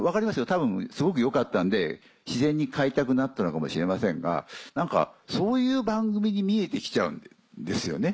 多分すごく良かったんで自然に買いたくなったのかもしれませんが何かそういう番組に見えて来ちゃうんですよね。